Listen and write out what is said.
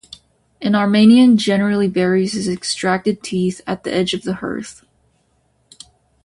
An Armenian generally buries his extracted teeth at the edge of the hearth.